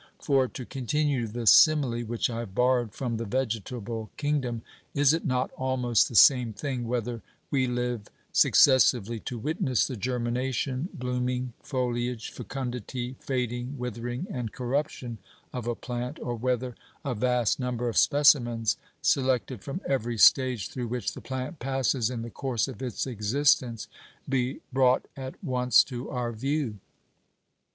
For, to continue the simile which I have borrowed from the vegetable kingdom, is it not almost the same thing whether we live successively to witness the germination, blooming, foliage, fecundity, fading, withering, and corruption of a plant, or whether a vast number of specimens, selected from every stage through which the plant passes in the course of its existence, be brought at once to our view?"